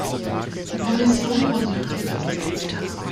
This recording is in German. Die Kommission konsultiert uns jetzt.